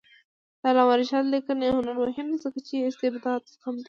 د علامه رشاد لیکنی هنر مهم دی ځکه چې استبداد غندي.